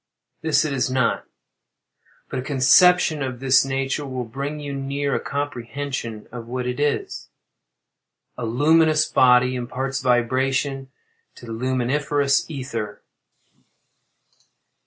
This it is not; but a conception of this nature will bring you near a comprehension of what it is. A luminous body imparts vibration to the luminiferous ether.